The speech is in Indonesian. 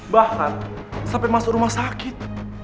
bahkan sampai masuk rumah sakit